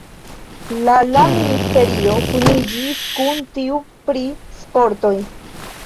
La la ministerio kuniĝis kun tiu pri sportoj.